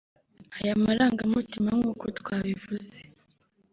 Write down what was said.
Aya marangamutima nk’uko twabivuze